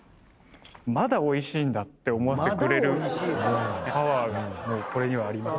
まだおいしいんだって思わせてくれるパワーがこれにはあります。